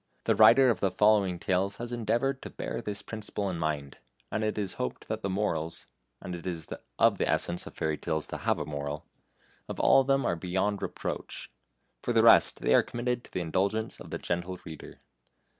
The writer of the following tales has endeavoured to bear this principle in mind, and it is hoped that the morals and it is of the essence of fairy tales to have a moral of all of them are beyond reproach. For the rest they are committed to the indulgence of the gentle reader.